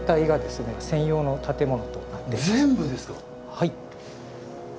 はい。